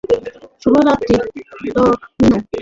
শুভরাত্রি, ডমিনো।